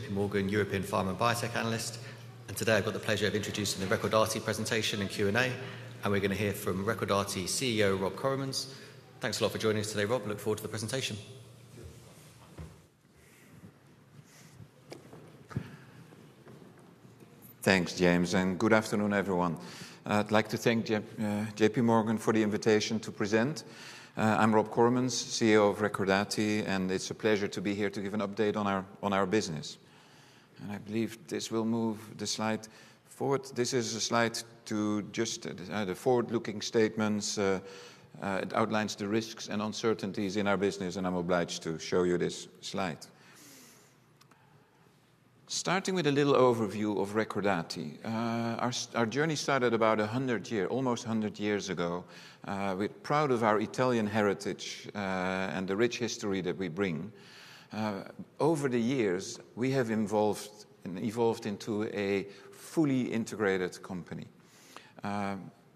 Gordon, European Pharma and Biotech Analyst. Today I've got the pleasure of introducing the Recordati presentation and Q&A. We're going to hear from Recordati CEO Rob Koremans. Thanks a lot for joining us today, Rob. Look forward to the presentation. Thanks, James, and good afternoon, everyone. I'd like to thank J.P. Morgan for the invitation to present. I'm Rob Koremans, CEO of Recordati, and it's a pleasure to be here to give an update on our business, and I believe this will move the slide forward. This is a slide to just the forward-looking statements. It outlines the risks and uncertainties in our business, and I'm obliged to show you this slide. Starting with a little overview of Recordati, our journey started about 100 years, almost 100 years ago. We're proud of our Italian heritage and the rich history that we bring. Over the years, we have evolved into a fully integrated company.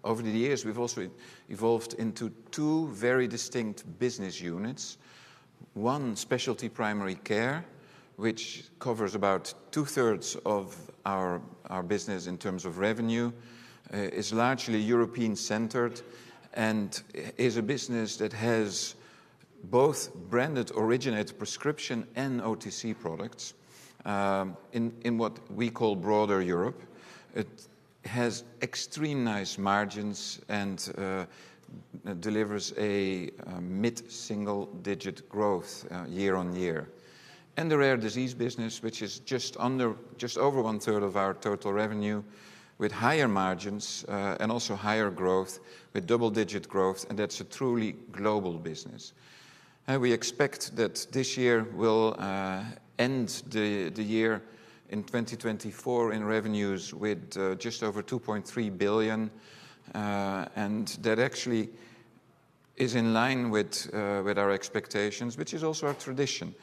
Over the years, we've also evolved into two very distinct business units. One specialty primary care, which covers about two-thirds of our business in terms of revenue, is largely European-centered and is a business that has both branded originated prescription and OTC products in what we call broader Europe. It has extremely nice margins and delivers a mid-single-digit growth year on year. The rare disease business, which is just over one-third of our total revenue, with higher margins and also higher growth, with double-digit growth, and that's a truly global business. We expect that this year will end the year in 2024 in revenues with just over 2.3 billion. That actually is in line with our expectations, which is also our tradition.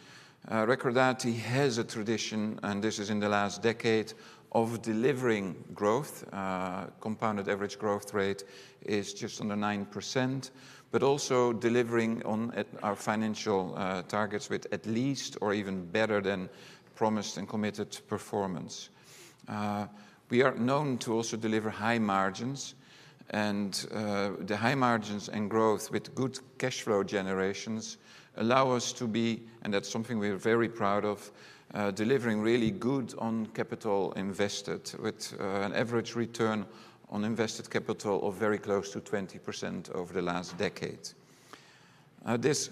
Recordati has a tradition, and this is in the last decade, of delivering growth. Compounded average growth rate is just under 9%, but also delivering on our financial targets with at least or even better than promised and committed performance. We are known to also deliver high margins, and the high margins and growth with good cash flow generations allow us to be, and that's something we are very proud of, delivering really good on capital invested, with an average return on invested capital of very close to 20% over the last decade. This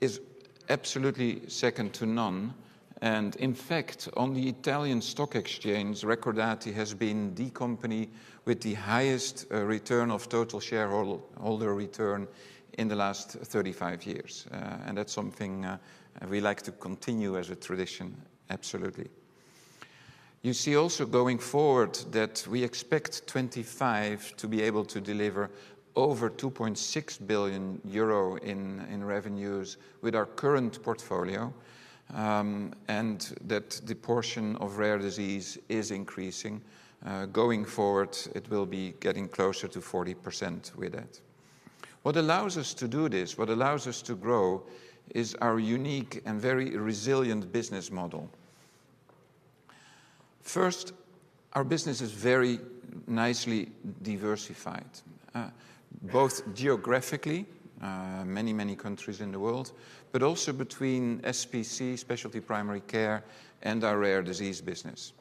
is absolutely second to none, and in fact, on the Italian stock exchange, Recordati has been the company with the highest return of total shareholder return in the last 35 years, and that's something we like to continue as a tradition, absolutely. You see also going forward that we expect 2025 to be able to deliver over 2.6 billion euro in revenues with our current portfolio, and that the portion of rare disease is increasing. Going forward, it will be getting closer to 40% with that. What allows us to do this, what allows us to grow, is our unique and very resilient business model. First, our business is very nicely diversified, both geographically, many, many countries in the world, but also between SPC, specialty primary care, and our rare disease business.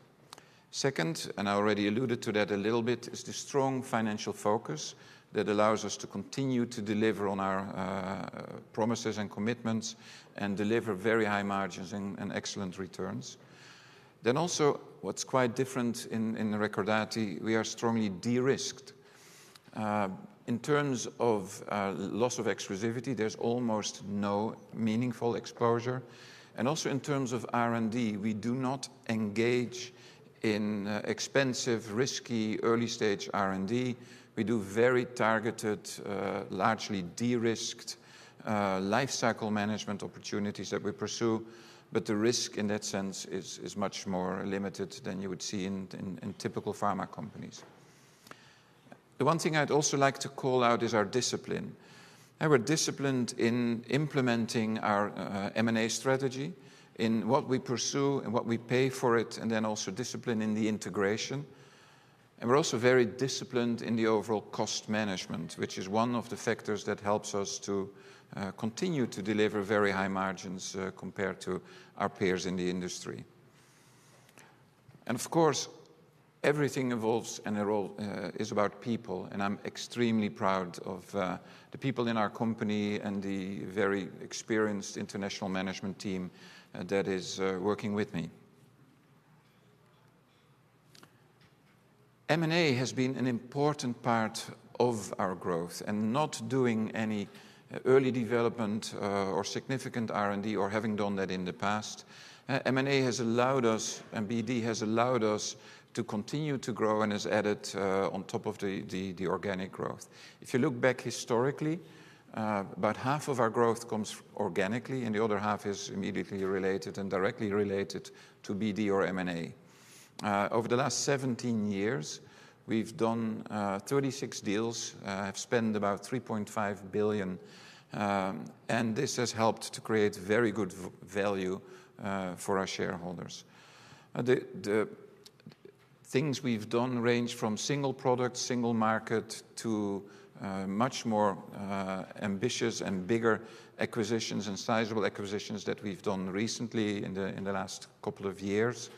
Second, and I already alluded to that a little bit, is the strong financial focus that allows us to continue to deliver on our promises and commitments and deliver very high margins and excellent returns. Then also, what's quite different in Recordati, we are strongly de-risked. In terms of loss of exclusivity, there's almost no meaningful exposure. Also in terms of R&D, we do not engage in expensive, risky early-stage R&D. We do very targeted, largely de-risked lifecycle management opportunities that we pursue, but the risk in that sense is much more limited than you would see in typical pharma companies. The one thing I'd also like to call out is our discipline. We're disciplined in implementing our M&A strategy, in what we pursue and what we pay for it, and then also discipline in the integration. We're also very disciplined in the overall cost management, which is one of the factors that helps us to continue to deliver very high margins compared to our peers in the industry. Of course, everything evolves and is about people, and I'm extremely proud of the people in our company and the very experienced international management team that is working with me. M&A has been an important part of our growth, and not doing any early development or significant R&D or having done that in the past, M&A has allowed us, and BD has allowed us to continue to grow and has added on top of the organic growth. If you look back historically, about half of our growth comes organically, and the other half is immediately related and directly related to BD or M&A. Over the last 17 years, we've done 36 deals, have spent about 3.5 billion, and this has helped to create very good value for our shareholders. The things we've done range from single product, single market, to much more ambitious and bigger acquisitions and sizable acquisitions that we've done recently in the last couple of years,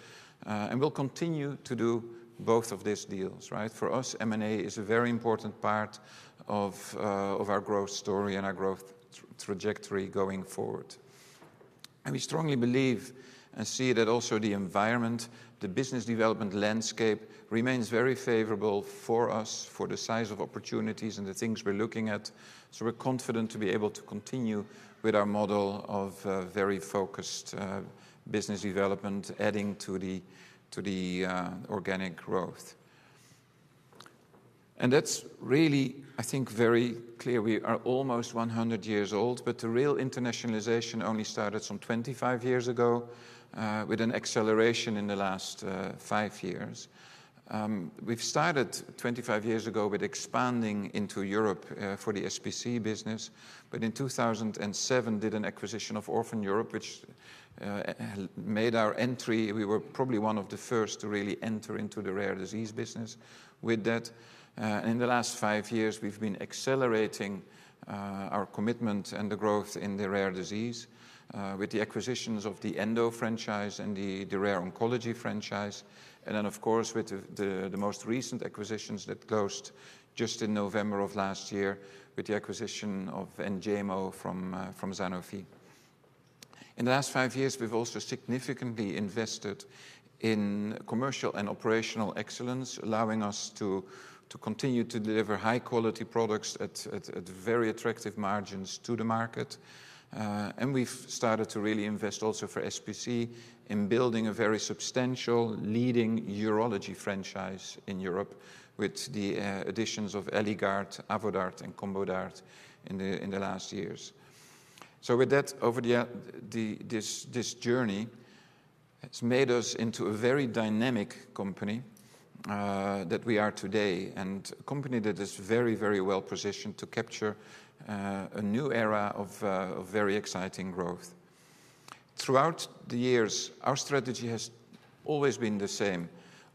and we'll continue to do both of these deals, right? For us, M&A is a very important part of our growth story and our growth trajectory going forward, and we strongly believe and see that also the environment, the business development landscape remains very favorable for us, for the size of opportunities and the things we're looking at, so we're confident to be able to continue with our model of very focused business development, adding to the organic growth, and that's really, I think, very clear. We are almost 100 years old, but the real internationalization only started some 25 years ago with an acceleration in the last five years. We've started 25 years ago with expanding into Europe for the SPC business, but in 2007 did an acquisition of Orphan Europe, which made our entry. We were probably one of the first to really enter into the rare disease business with that. And in the last five years, we've been accelerating our commitment and the growth in the rare disease with the acquisitions of the Endo franchise and the Rare Oncology franchise. And then, of course, with the most recent acquisitions that closed just in November of last year with the acquisition of Enjaymo from Sanofi. In the last five years, we've also significantly invested in commercial and operational excellence, allowing us to continue to deliver high-quality products at very attractive margins to the market. And we've started to really invest also for SPC in building a very substantial leading urology franchise in Europe with the additions of Eligard, Avodart, and Combodart in the last years. So with that, over this journey, it's made us into a very dynamic company that we are today, and a company that is very, very well positioned to capture a new era of very exciting growth. Throughout the years, our strategy has always been the same: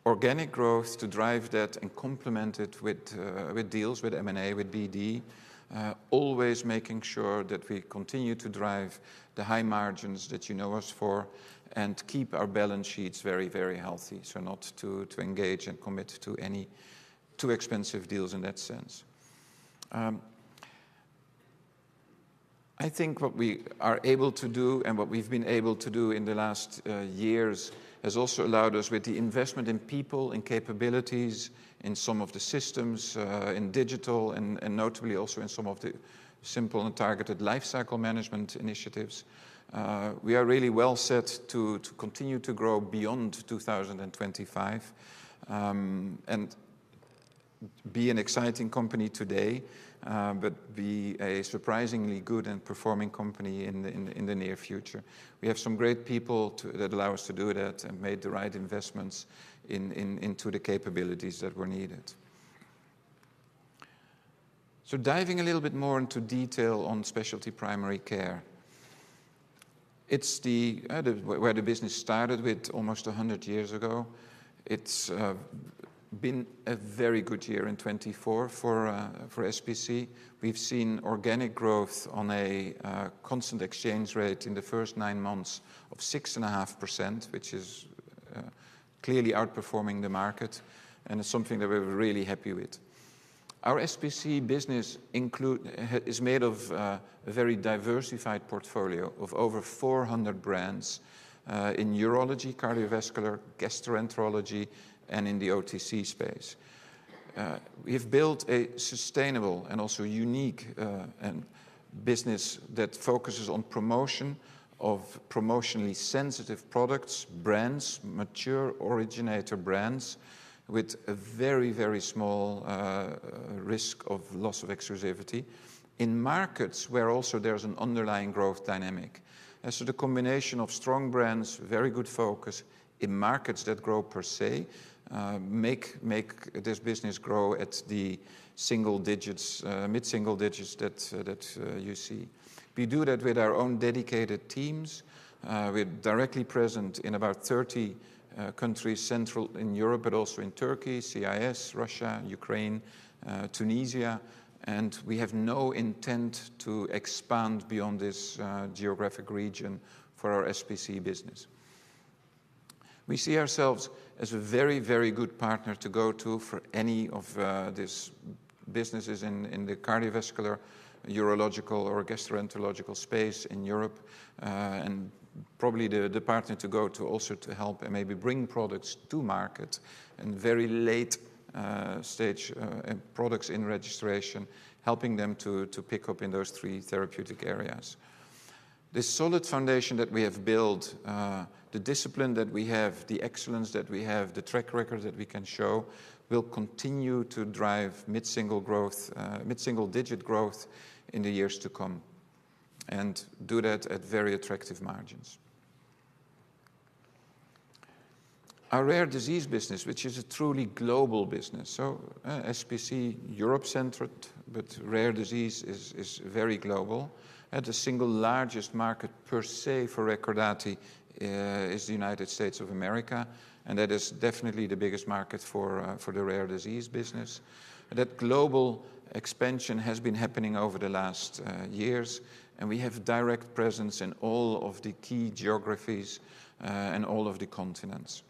organic growth to drive that and complement it with deals with M&A, with BD, always making sure that we continue to drive the high margins that you know us for and keep our balance sheets very, very healthy, so not to engage and commit to any too expensive deals in that sense. I think what we are able to do and what we've been able to do in the last years has also allowed us with the investment in people, in capabilities, in some of the systems, in digital, and notably also in some of the simple and targeted lifecycle management initiatives. We are really well set to continue to grow beyond 2025 and be an exciting company today, but be a surprisingly good and performing company in the near future. We have some great people that allow us to do that and made the right investments into the capabilities that were needed. So diving a little bit more into detail on specialty primary care, it's where the business started with almost 100 years ago. It's been a very good year in 2024 for SPC. We've seen organic growth on a constant exchange rate in the first nine months of 6.5%, which is clearly outperforming the market, and it's something that we're really happy with. Our SPC business is made of a very diversified portfolio of over 400 brands in urology, cardiovascular, gastroenterology, and in the OTC space. We have built a sustainable and also unique business that focuses on promotion of promotionally sensitive products, brands, mature originator brands with a very, very small risk of loss of exclusivity in markets where also there's an underlying growth dynamic. The combination of strong brands, very good focus in markets that grow per se, make this business grow at the single digits, mid-single digits that you see. We do that with our own dedicated teams. We're directly present in about 30 countries, central in Europe, but also in Turkey, CIS, Russia, Ukraine, Tunisia, and we have no intent to expand beyond this geographic region for our SPC business. We see ourselves as a very, very good partner to go to for any of these businesses in the cardiovascular, urological, or gastroenterological space in Europe, and probably the partner to go to also to help and maybe bring products to market and very late-stage products in registration, helping them to pick up in those three therapeutic areas. The solid foundation that we have built, the discipline that we have, the excellence that we have, the track record that we can show will continue to drive mid-single digit growth in the years to come and do that at very attractive margins. Our rare disease business, which is a truly global business, so SPC Europe-centered, but rare disease is very global. The single largest market per se for Recordati is the United States of America, and that is definitely the biggest market for the rare disease business. That global expansion has been happening over the last years, and we have a direct presence in all of the key geographies and all of the continents.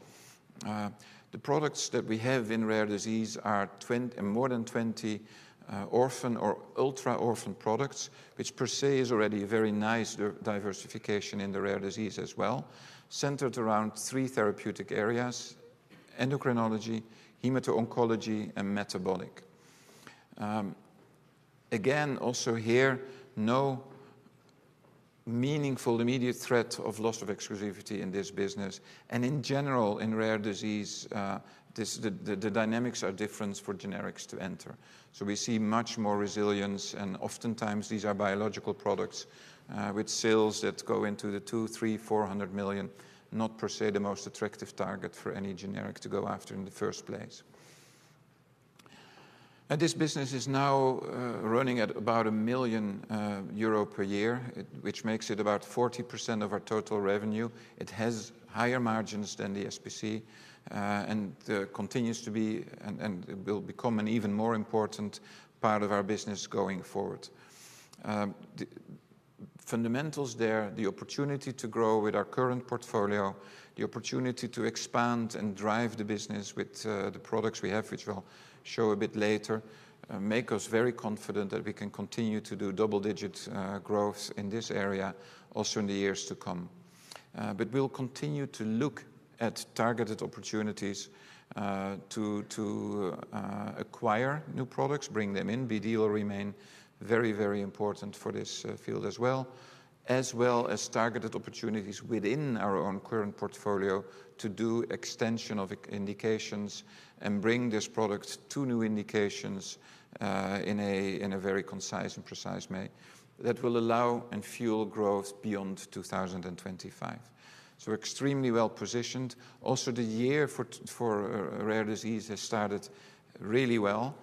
The products that we have in rare disease are more than 20 orphan or ultra-orphan products, which per se is already a very nice diversification in the rare disease as well, centered around three therapeutic areas: endocrinology, hemato-oncology, and metabolic. Again, also here, no meaningful immediate threat of loss of exclusivity in this business, and in general, in rare disease, the dynamics are different for generics to enter, so we see much more resilience, and oftentimes these are biological products with sales that go into the 200, 300, 400 million, not per se the most attractive target for any generic to go after in the first place. This business is now running at about 800 million euro per year, which makes it about 40% of our total revenue. It has higher margins than the SPC and continues to be and will become an even more important part of our business going forward. Fundamentals there, the opportunity to grow with our current portfolio, the opportunity to expand and drive the business with the products we have, which we'll show a bit later, make us very confident that we can continue to do double-digit growth in this area also in the years to come. But we'll continue to look at targeted opportunities to acquire new products, bring them in. BD will remain very, very important for this field as well, as well as targeted opportunities within our own current portfolio to do extension of indications and bring these products to new indications in a very concise and precise way that will allow and fuel growth beyond 2025, so we're extremely well positioned. Also, the year for rare disease has started really well.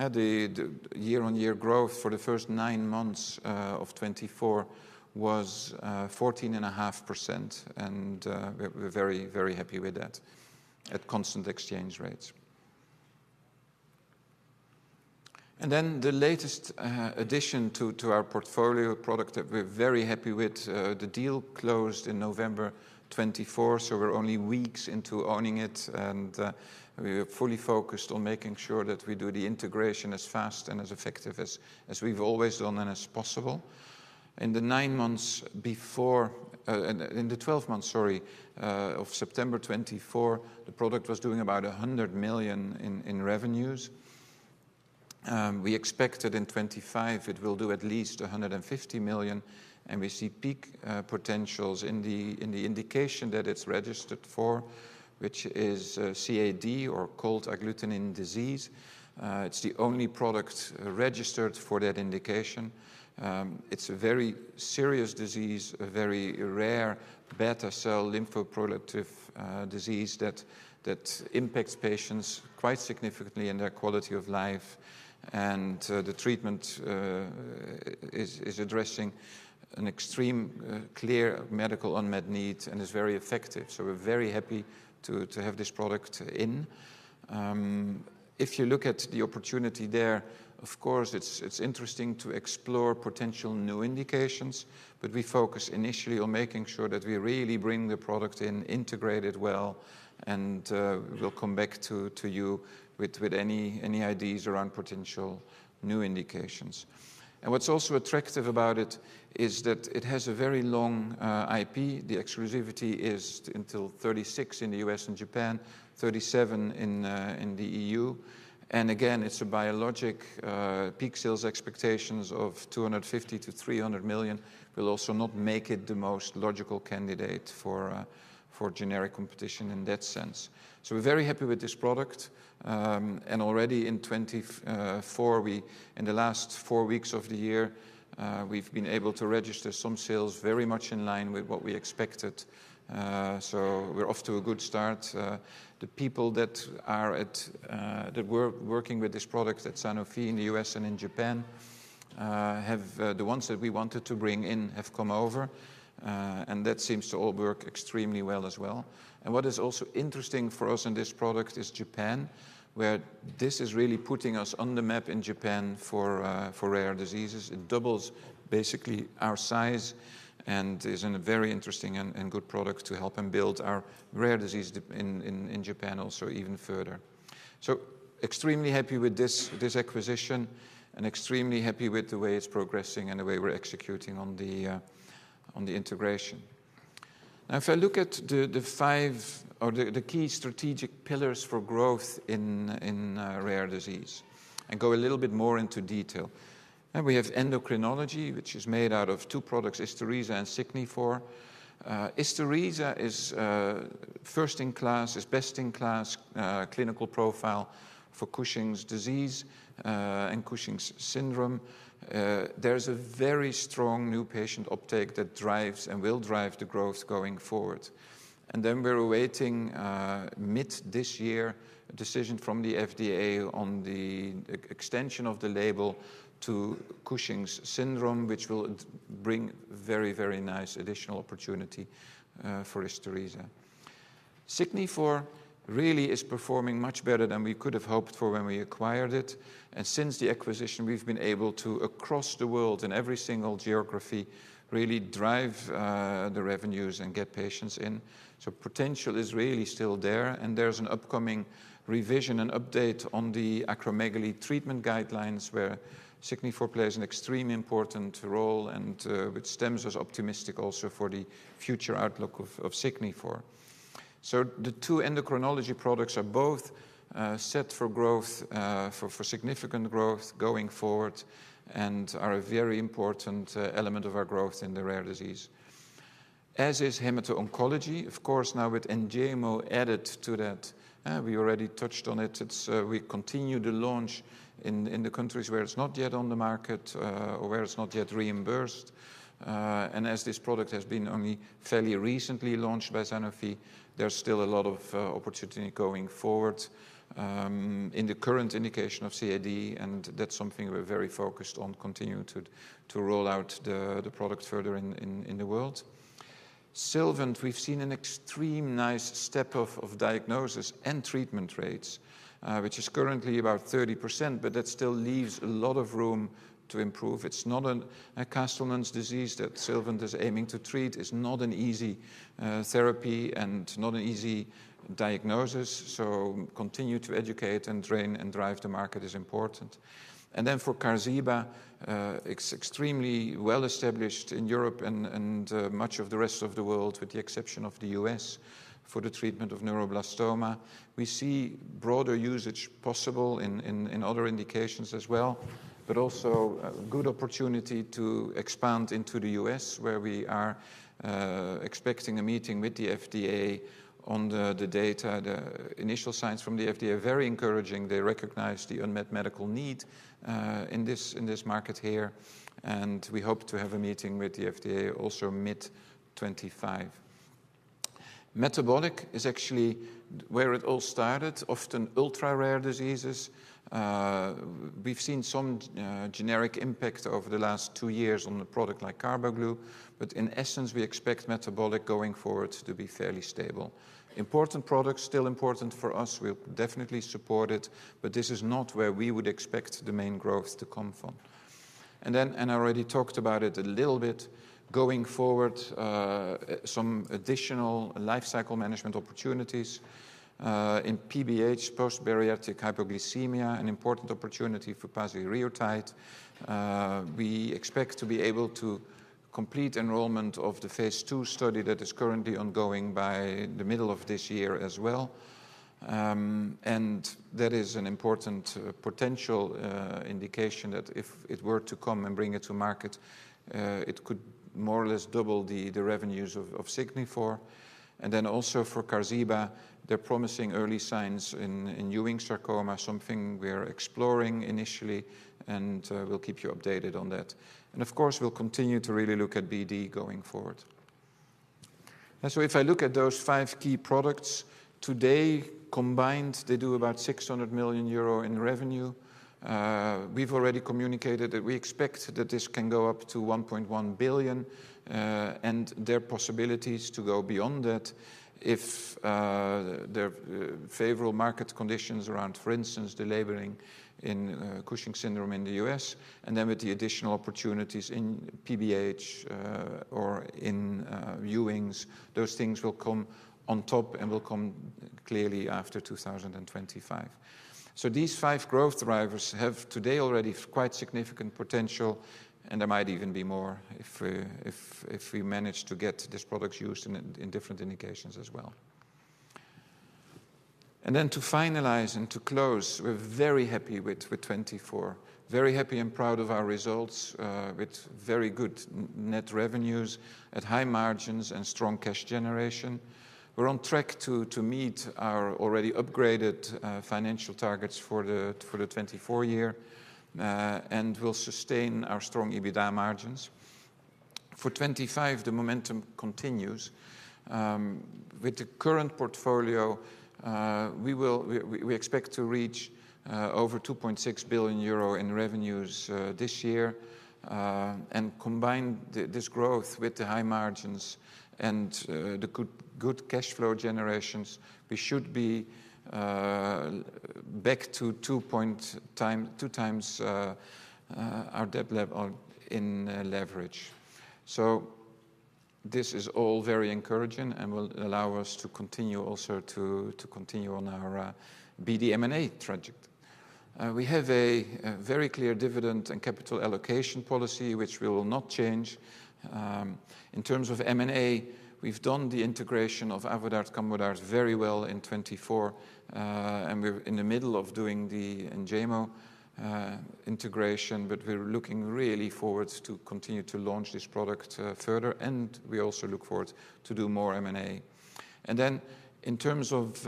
The year-on-year growth for the first nine months of 2024 was 14.5%, and we're very, very happy with that at constant exchange rates. And then the latest addition to our portfolio product that we're very happy with, the deal closed in November 2024, so we're only weeks into owning it, and we are fully focused on making sure that we do the integration as fast and as effective as we've always done and as possible. In the nine months before, in the 12 months, sorry, of September 2024, the product was doing about 100 million in revenues. We expected in 2025 it will do at least 150 million, and we see peak potentials in the indication that it's registered for, which is CAD or Cold Agglutinin Disease. It's the only product registered for that indication. It's a very serious disease, a very rare beta cell lymphoproliferative disease that impacts patients quite significantly in their quality of life, and the treatment is addressing an extremely clear medical unmet need and is very effective. So we're very happy to have this product in. If you look at the opportunity there, of course, it's interesting to explore potential new indications, but we focus initially on making sure that we really bring the product in, integrate it well, and we'll come back to you with any ideas around potential new indications. And what's also attractive about it is that it has a very long IP. The exclusivity is until 2036 in the U.S. and Japan, 2037 in the E.U. And again, it's a biologic peak sales expectations of 250-300 million. We'll also not make it the most logical candidate for generic competition in that sense. We're very happy with this product. Already in 2024, in the last four weeks of the year, we've been able to register some sales very much in line with what we expected. We're off to a good start. The people that were working with this product at Sanofi in the U.S. and in Japan, the ones that we wanted to bring in, have come over, and that seems to all work extremely well as well. What is also interesting for us in this product is Japan, where this is really putting us on the map in Japan for rare diseases. It doubles basically our size and is a very interesting and good product to help them build our rare disease in Japan also even further. So extremely happy with this acquisition and extremely happy with the way it's progressing and the way we're executing on the integration. Now, if I look at the five of the key strategic pillars for growth in rare disease and go a little bit more into detail, we have endocrinology, which is made out of two products, Isturisa and Signifor. Isturisa is first in class, is best in class clinical profile for Cushing's disease and Cushing's syndrome. There's a very strong new patient uptake that drives and will drive the growth going forward, and then we're awaiting mid this year a decision from the FDA on the extension of the label to Cushing's syndrome, which will bring very, very nice additional opportunity for Isturisa. Signifor really is performing much better than we could have hoped for when we acquired it. And since the acquisition, we've been able to, across the world in every single geography, really drive the revenues and get patients in. So potential is really still there. And there's an upcoming revision and update on the acromegaly treatment guidelines where Signifor plays an extremely important role and which stems as optimistic also for the future outlook of Signifor. So the two endocrinology products are both set for growth, for significant growth going forward, and are a very important element of our growth in the rare disease, as is hemato-oncology, of course, now with Enjaymo added to that. We already touched on it. We continue to launch in the countries where it's not yet on the market or where it's not yet reimbursed. As this product has been only fairly recently launched by Sanofi, there's still a lot of opportunity going forward in the current indication of CAD, and that's something we're very focused on continuing to roll out the product further in the world. For Silvant, we've seen an extremely nice step up in diagnosis and treatment rates, which is currently about 30%, but that still leaves a lot of room to improve. It's not a Castleman's disease that Silvant is aiming to treat. It's not an easy therapy and not an easy diagnosis. Continuing to educate and train and drive the market is important. Then, for Qarziba, it's extremely well established in Europe and much of the rest of the world, with the exception of the U.S. for the treatment of neuroblastoma. We see broader usage possible in other indications as well, but also a good opportunity to expand into the U.S., where we are expecting a meeting with the FDA on the data. The initial signs from the FDA are very encouraging. They recognize the unmet medical need in this market here, and we hope to have a meeting with the FDA also mid-2025. Metabolic is actually where it all started, often ultra-rare diseases. We've seen some generic impact over the last two years on a product like Carbaglu, but in essence, we expect metabolic going forward to be fairly stable. Important products, still important for us. We'll definitely support it, but this is not where we would expect the main growth to come from. And then I already talked about it a little bit. Going forward, some additional lifecycle management opportunities in PBH, post-bariatric hypoglycemia, an important opportunity for pasireotide. We expect to be able to complete enrollment of the phase two study that is currently ongoing by the middle of this year as well. That is an important potential indication that if it were to come and bring it to market, it could more or less double the revenues of Signifor. Then also for Qarziba, there are promising early signs in Ewing sarcoma, something we're exploring initially, and we'll keep you updated on that. Of course, we'll continue to really look at BD going forward. If I look at those five key products today, combined, they do about 600 million euro in revenue. We've already communicated that we expect that this can go up to 1.1 billion and their possibilities to go beyond that if there are favorable market conditions around, for instance, the labeling in Cushing's syndrome in the U.S. And then with the additional opportunities in PBH or in Ewing's, those things will come on top and will come clearly after 2025. So these five growth drivers have today already quite significant potential, and there might even be more if we manage to get these products used in different indications as well. And then to finalize and to close, we're very happy with 2024, very happy and proud of our results with very good net revenues at high margins and strong cash generation. We're on track to meet our already upgraded financial targets for the 2024 year and will sustain our strong EBITDA margins. For 2025, the momentum continues. With the current portfolio, we expect to reach over 2.6 billion euro in revenues this year. Combine this growth with the high margins and the good cash flow generations, we should be back to two times our debt level in leverage. This is all very encouraging and will allow us to continue also on our BD M&A trajectory. We have a very clear dividend and capital allocation policy, which we will not change. In terms of M&A, we've done the integration of Avodart-Combodart very well in 2024, and we're in the middle of doing the Enjaymo integration, but we're looking really forward to continue to launch this product further, and we also look forward to do more M&A. And then in terms of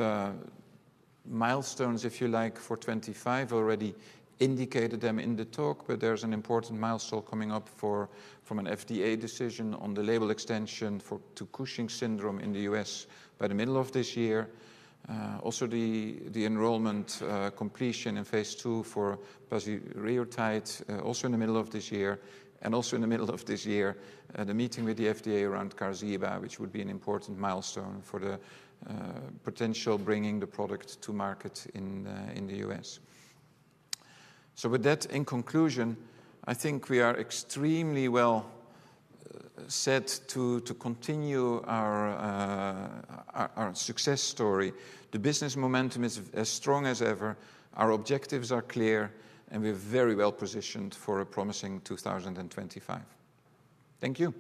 milestones, if you like, for 2025, already indicated them in the talk, but there's an important milestone coming up from an FDA decision on the label extension to Cushing's syndrome in the U.S. by the middle of this year. Also the enrollment completion in phase two for pasireotide, also in the middle of this year, and also in the middle of this year, the meeting with the FDA around Qarziba, which would be an important milestone for the potential bringing the product to market in the U.S. So with that, in conclusion, I think we are extremely well set to continue our success story. The business momentum is as strong as ever. Our objectives are clear, and we're very well positioned for a promising 2025. Thank you.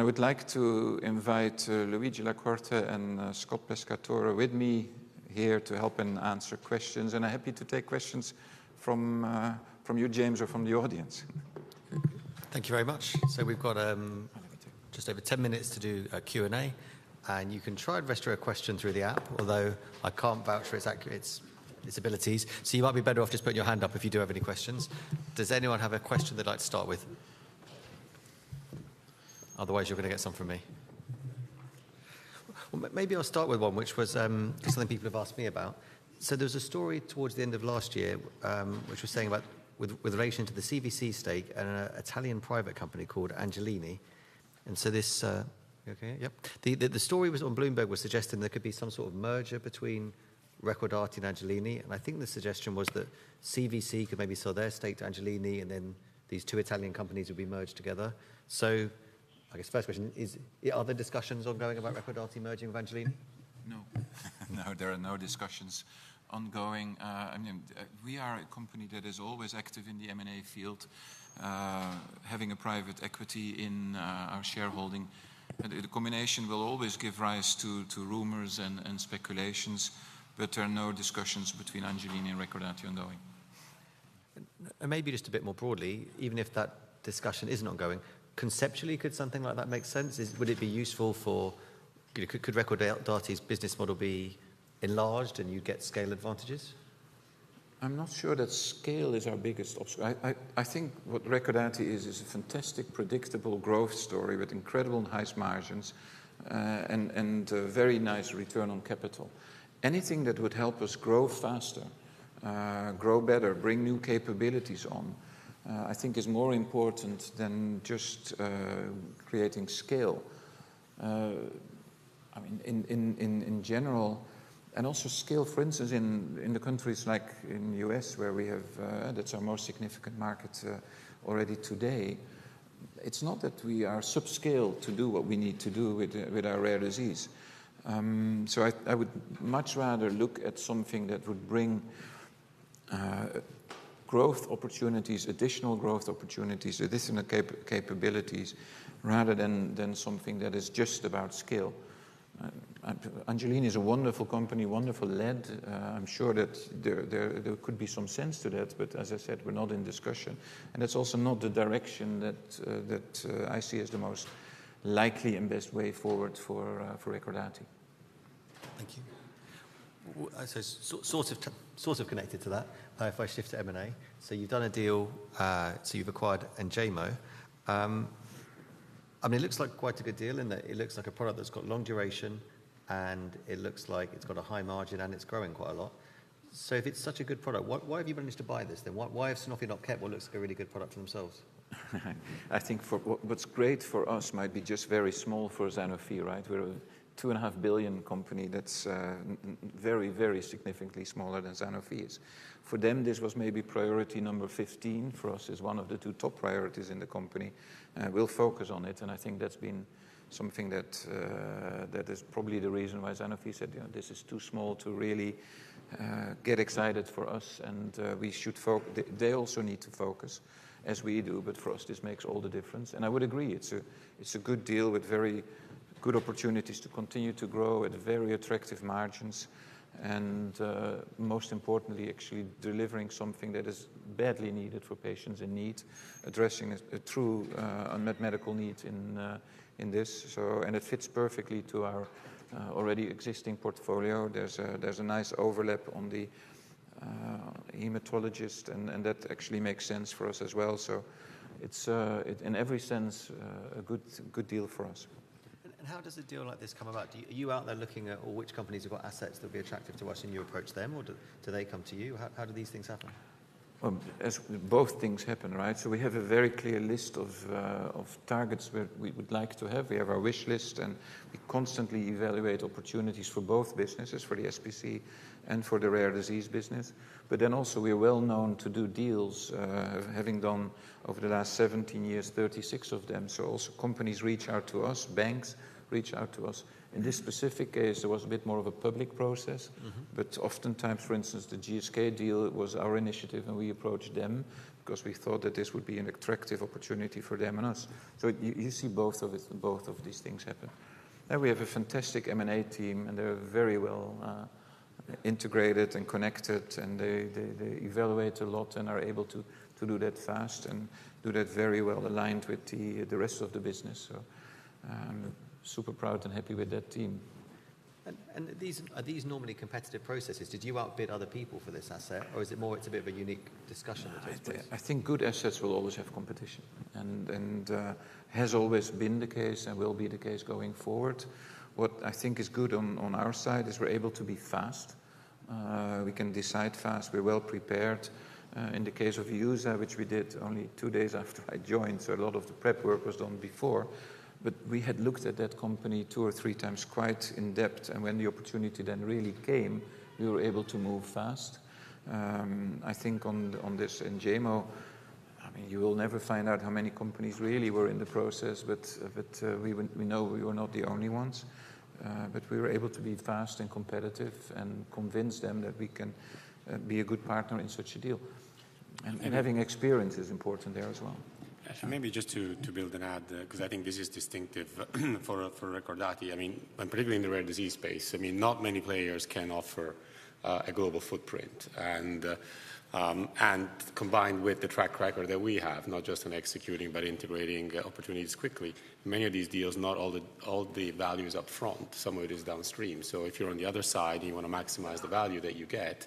I would like to invite Luigi La Corte and Scott Pescatore with me here to help and answer questions. I'm happy to take questions from you, James, or from the audience. Thank you very much. We've got just over 10 minutes to do a Q&A, and you can try and raise a question through the app, although I can't vouch for its abilities. You might be better off just putting your hand up if you do have any questions. Does anyone have a question they'd like to start with? Otherwise, you're going to get some from me. Maybe I'll start with one, which was something people have asked me about. There was a story towards the end of last year, which was saying about with relation to the CVC stake and an Italian private company called Angelini. So this, okay, yep. The story was on Bloomberg was suggesting there could be some sort of merger between Recordati and Angelini, and I think the suggestion was that CVC could maybe sell their stake to Angelini, and then these two Italian companies would be merged together, so I guess first question is, are there discussions ongoing about Recordati merging with Angelini? No. No, there are no discussions ongoing. I mean, we are a company that is always active in the M&A field, having a private equity in our shareholding. The combination will always give rise to rumors and speculations, but there are no discussions between Angelini and Recordati ongoing. And maybe just a bit more broadly, even if that discussion isn't ongoing, conceptually, could something like that make sense? Would it be useful? Could Recordati's business model be enlarged and you get scale advantages? I'm not sure that scale is our biggest option. I think what Recordati is, is a fantastic predictable growth story with incredible and high margins and a very nice return on capital. Anything that would help us grow faster, grow better, bring new capabilities on, I think is more important than just creating scale, I mean, in general, and also scale, for instance, in the countries like in the US where we have, that's our more significant market already today. It's not that we are subscaled to do what we need to do with our rare disease, so I would much rather look at something that would bring growth opportunities, additional growth opportunities, additional capabilities, rather than something that is just about scale. Angelini is a wonderful company, wonderful lead. I'm sure that there could be some sense to that, but as I said, we're not in discussion. It's also not the direction that I see as the most likely and best way forward for Recordati. Thank you. Sort of connected to that, if I shift to M&A. So you've done a deal, so you've acquired Enjaymo. I mean, it looks like quite a good deal, isn't it? It looks like a product that's got long duration, and it looks like it's got a high margin, and it's growing quite a lot. So if it's such a good product, why have you managed to buy this then? Why have Sanofi not kept what looks like a really good product for themselves? I think what's great for us might be just very small for Sanofi, right? We're a 2.5 billion company that's very, very significantly smaller than Sanofi is. For them, this was maybe priority number 15. For us, it's one of the two top priorities in the company. We'll focus on it, and I think that's been something that is probably the reason why Sanofi said, you know, this is too small to really get excited for us, and we should focus. They also need to focus as we do, but for us, this makes all the difference. I would agree. It's a good deal with very good opportunities to continue to grow at very attractive margins, and most importantly, actually delivering something that is badly needed for patients in need, addressing a true unmet medical need in this. It fits perfectly to our already existing portfolio. There's a nice overlap on the hematologist, and that actually makes sense for us as well. It's, in every sense, a good deal for us. How does a deal like this come about? Are you out there looking at which companies have got assets that would be attractive to us, and you approach them, or do they come to you? How do these things happen? Both things happen, right? So we have a very clear list of targets we would like to have. We have our wish list, and we constantly evaluate opportunities for both businesses, for the SPC and for the rare disease business. But then also, we are well known to do deals, having done over the last 17 years, 36 of them. So also companies reach out to us, banks reach out to us. In this specific case, there was a bit more of a public process, but oftentimes, for instance, the GSK deal was our initiative, and we approached them because we thought that this would be an attractive opportunity for them and us. So you see both of these things happen. And we have a fantastic M&A team, and they're very well integrated and connected, and they evaluate a lot and are able to do that fast and do that very well aligned with the rest of the business. So super proud and happy with that team. Are these normally competitive processes? Did you outbid other people for this asset, or is it more, it's a bit of a unique discussion? I think good assets will always have competition, and has always been the case and will be the case going forward. What I think is good on our side is we're able to be fast. We can decide fast. We're well prepared. In the case of EUSA, which we did only two days after I joined, so a lot of the prep work was done before, but we had looked at that company two or three times quite in depth, and when the opportunity then really came, we were able to move fast. I think on this Enjaymo, I mean, you will never find out how many companies really were in the process, but we know we were not the only ones, but we were able to be fast and competitive and convince them that we can be a good partner in such a deal. Having experience is important there as well. And maybe just to build on that, because I think this is distinctive for Recordati. I mean, particularly in the rare disease space, I mean, not many players can offer a global footprint. And combined with the track record that we have, not just in executing, but integrating opportunities quickly, many of these deals, not all the value is upfront. Some of it is downstream. So if you're on the other side and you want to maximize the value that you get,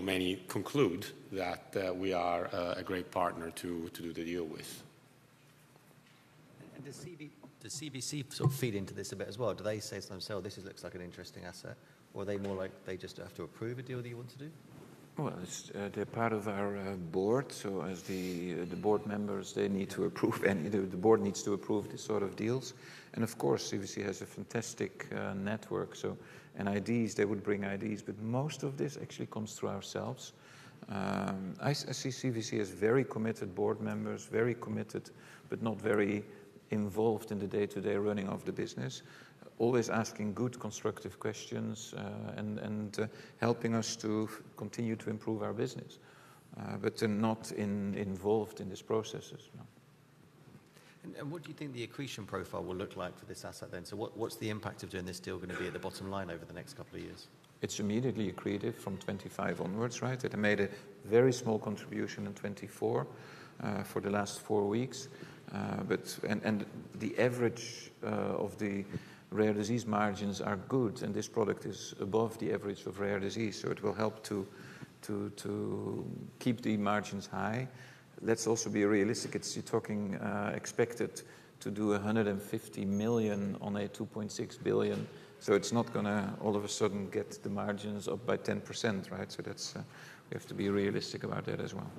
many conclude that we are a great partner to do the deal with. And does CVC sort of feed into this a bit as well? Do they say to themselves, "Oh, this looks like an interesting asset," or are they more like they just have to approve a deal that you want to do? They're part of our board, so as the board members, they need to approve. The board needs to approve these sort of deals. Of course, CVC has a fantastic network. NIDs, they would bring IDs, but most of this actually comes through ourselves. I see CVC as very committed board members, very committed, but not very involved in the day-to-day running of the business, always asking good constructive questions and helping us to continue to improve our business, but not involved in these processes. What do you think the accretion profile will look like for this asset then? What's the impact of doing this deal going to be at the bottom line over the next couple of years? It's immediately accretive from 2025 onwards, right? It made a very small contribution in 2024 for the last four weeks. And the average of the rare disease margins are good, and this product is above the average of rare disease, so it will help to keep the margins high. Let's also be realistic. It's expected to do 150 million on a 2.6 billion, so it's not going to all of a sudden get the margins up by 10%, right? So we have to be realistic about that as well.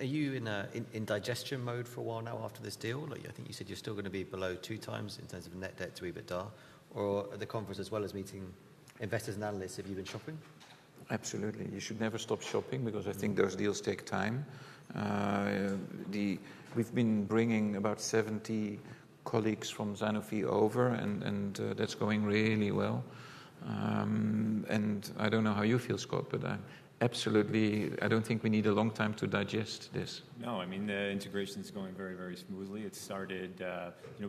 Are you in digestion mode for a while now after this deal? I think you said you're still going to be below two times in terms of net debt to EBITDA. At the conference as well as meeting investors and analysts, have you been shopping? Absolutely. You should never stop shopping because I think those deals take time. We've been bringing about 70 colleagues from Sanofi over, and that's going really well, and I don't know how you feel, Scott, but absolutely, I don't think we need a long time to digest this. No, I mean, the integration is going very, very smoothly. It started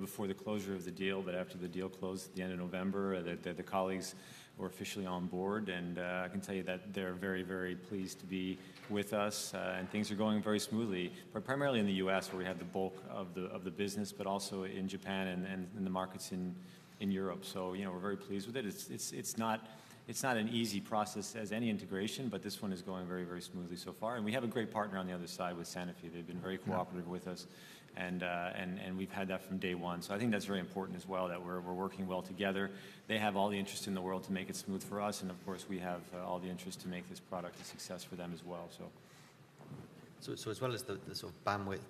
before the closure of the deal, but after the deal closed at the end of November, the colleagues were officially on board, and I can tell you that they're very, very pleased to be with us, and things are going very smoothly, primarily in the U.S., where we have the bulk of the business, but also in Japan and in the markets in Europe. So we're very pleased with it. It's not an easy process as any integration, but this one is going very, very smoothly so far. And we have a great partner on the other side with Sanofi. They've been very cooperative with us, and we've had that from day one. So I think that's very important as well, that we're working well together. They have all the interest in the world to make it smooth for us, and of course, we have all the interest to make this product a success for them as well, so. So as well as the sort of bandwidth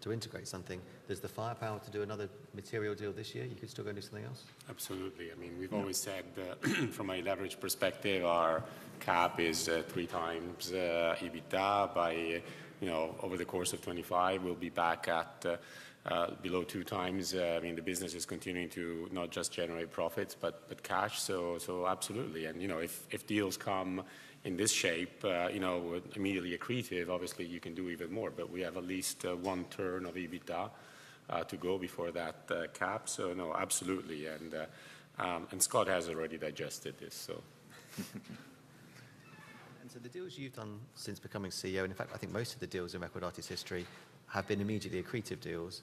to integrate something, there's the firepower to do another material deal this year. You could still go and do something else. Absolutely. I mean, we've always said from a leverage perspective, our cap is three times EBITDA by over the course of 2025. We'll be back at below two times. I mean, the business is continuing to not just generate profits, but cash. So absolutely. And if deals come in this shape, immediately accretive, obviously, you can do even more, but we have at least one turn of EBITDA to go before that cap. So no, absolutely. And Scott has already digested this, so. And so the deals you've done since becoming CEO, and in fact, I think most of the deals in Recordati's history have been immediately accretive deals,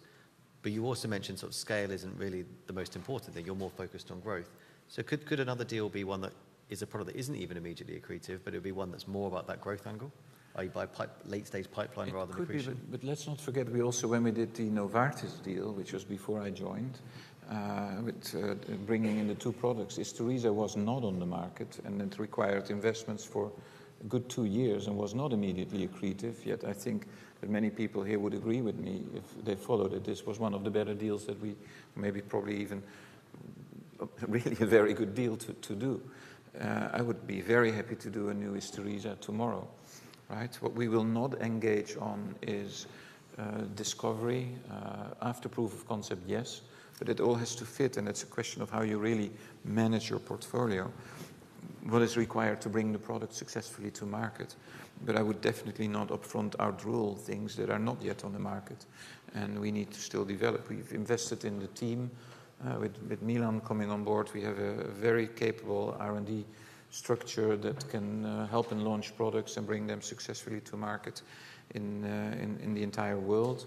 but you also mentioned sort of scale isn't really the most important thing. You're more focused on growth, so could another deal be one that is a product that isn't even immediately accretive, but it would be one that's more about that growth angle? Are you buying late-stage pipeline rather than accretive? It could be, but let's not forget we also, when we did the Novartis deal, which was before I joined, with bringing in the two products, Isturisa was not on the market, and it required investments for a good two years and was not immediately accretive. Yet I think that many people here would agree with me if they followed that this was one of the better deals that we maybe probably even really a very good deal to do. I would be very happy to do a new Isturisa tomorrow, right? What we will not engage on is discovery. After proof of concept, yes, but it all has to fit, and it's a question of how you really manage your portfolio, what is required to bring the product successfully to market. But I would definitely not upfront hard rule things that are not yet on the market, and we need to still develop. We've invested in the team. With Milan coming on board, we have a very capable R&D structure that can help and launch products and bring them successfully to market in the entire world.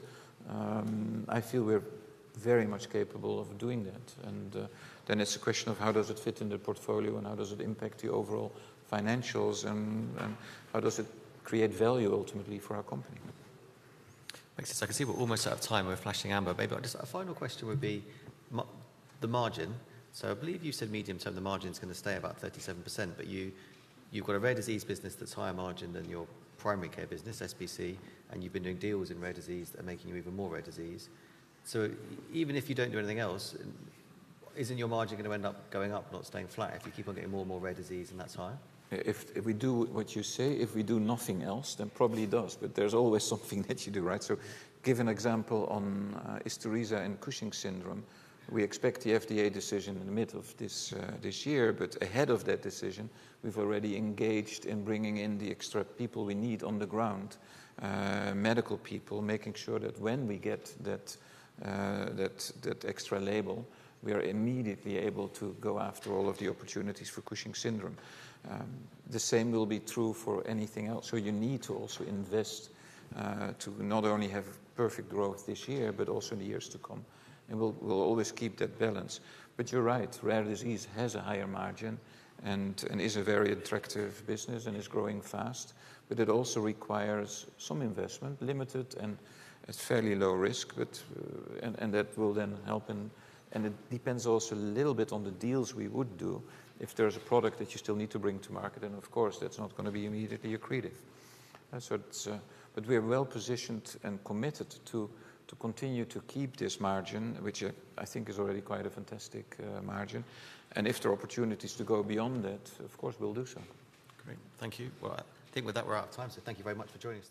I feel we're very much capable of doing that. And then it's a question of how does it fit in the portfolio and how does it impact the overall financials and how does it create value ultimately for our company. Makes sense. I can see we're almost out of time. We're flashing amber, baby. Just a final question would be the margin. So I believe you said medium term, the margin's going to stay about 37%, but you've got a rare disease business that's higher margin than your primary care business, SPC, and you've been doing deals in rare disease that are making you even more rare disease. So even if you don't do anything else, isn't your margin going to end up going up, not staying flat if you keep on getting more and more rare disease and that's higher? If we do what you say, if we do nothing else, then probably it does, but there's always something that you do, right? So give an example on Isturisa and Cushing's syndrome. We expect the FDA decision in the midst of this year, but ahead of that decision, we've already engaged in bringing in the extra people we need on the ground, medical people, making sure that when we get that extra label, we are immediately able to go after all of the opportunities for Cushing's syndrome. The same will be true for anything else. So you need to also invest to not only have perfect growth this year, but also in the years to come, and we'll always keep that balance, but you're right. Rare disease has a higher margin and is a very attractive business and is growing fast, but it also requires some investment, limited and at fairly low risk, and that will then help. And it depends also a little bit on the deals we would do if there's a product that you still need to bring to market, and of course, that's not going to be immediately accretive. But we are well positioned and committed to continue to keep this margin, which I think is already quite a fantastic margin. And if there are opportunities to go beyond that, of course, we'll do so. Great. Thank you. Well, I think with that, we're out of time, so thank you very much for joining us.